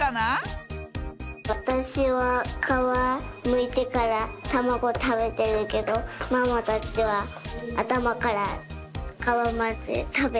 わたしはかわむいてからたまごたべてるけどママたちはあたまからかわまでたべてる。